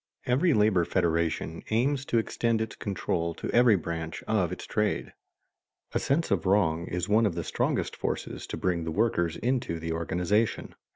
_ Every labor federation aims to extend its control to every branch of its trade. A sense of wrong is one of the strongest forces to bring the workers into the organization.